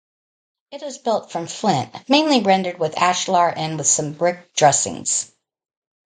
It is built from flint, mainly rendered with ashlar and with some brick dressings.